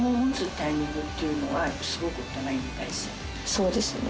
そうですね。